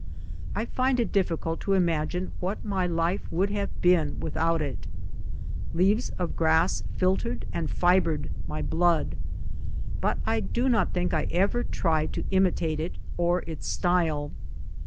I find it difficult to imagine what my life would have been without it. " Leaves of Grass "" filtered and fibred " my blood : but I do not think I ever tried to imitate it or its style.